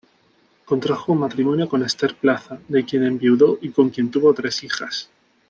Contrajo matrimonio con Ester Plaza, de quien enviudó y con quien tuvo tres hijas.